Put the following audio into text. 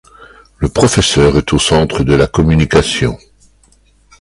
Le professeur est au centre de la communication.